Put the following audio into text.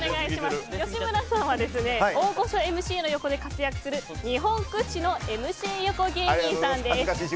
吉村さんは大御所ＭＣの横で活躍する日本屈指のＭＣ横芸人さんです。